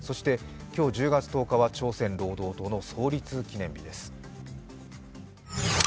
今日１０月１０日は朝鮮労働党の創立記念日です。